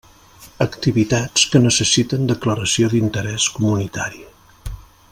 Activitats que necessiten declaració d'interés comunitari.